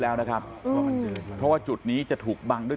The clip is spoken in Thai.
แล้วนะครับเพราะว่าจุดนี้จะถูกบังด้วย